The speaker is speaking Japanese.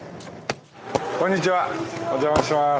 こんにちはお邪魔しまーす